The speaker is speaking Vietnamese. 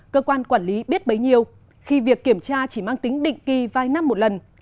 cơ quan quản lý biết bấy nhiêu khi việc kiểm tra chỉ mang tính định kỳ vài năm một lần